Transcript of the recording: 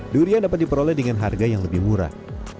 durian dapat diperoleh dengan harga yang lebih murah